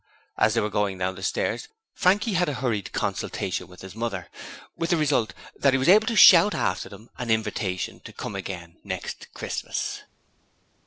As they were going down the stairs Frankie held a hurried consultation with his mother, with the result that he was able to shout after them an invitation to come again next Christmas.